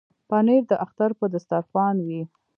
پنېر د اختر پر دسترخوان وي.